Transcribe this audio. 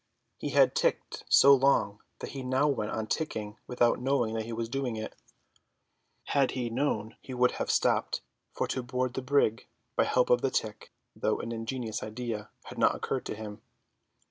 He had ticked so long that he now went on ticking without knowing that he was doing it. Had he known he would have stopped, for to board the brig by help of the tick, though an ingenious idea, had not occurred to him.